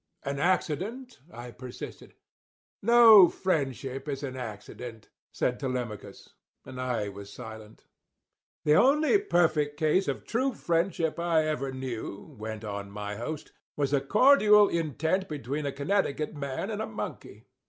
"An accident?" I persisted. "No friendship is an accident," said Telemachus; and I was silent. "The only perfect case of true friendship I ever knew," went on my host, "was a cordial intent between a Connecticut man and a monkey.